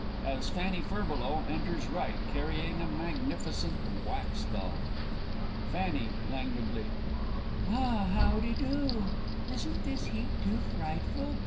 as FANNY FURBELOW enters R., carrying a magnificent wax doll. Fanny (languidly). Ah, howdy do isn't this heat too frightful?